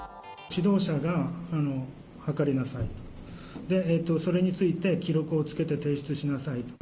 指導者が測りなさい、で、それについて記録をつけて提出しなさいと。